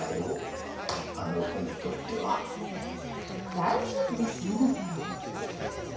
大丈夫です卯之さんなら。